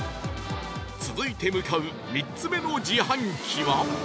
続いて向かう３つ目の自販機は